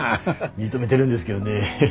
認めでるんですけどね。